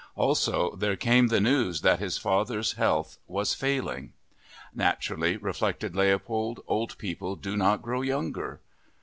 Also, there came the news that his father's health was failing. "Naturally," reflected Leopold, "old people do not grow younger!"